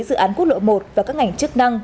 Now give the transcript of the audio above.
dự án quốc lộ một và các ngành chức năng